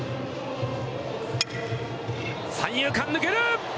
三遊間、抜ける！